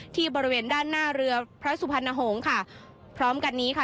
บริเวณด้านหน้าเรือพระสุพรรณหงษ์ค่ะพร้อมกันนี้ค่ะ